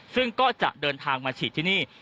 ซึ่งก็จะเดินทางมาฉีดที่นี่